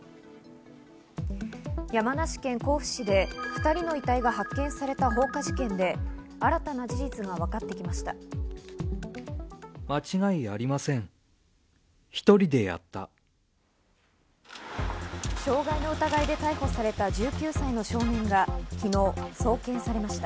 山梨県甲府市で２人の遺体が発見された放火事件で、新たな事実が分かってきました。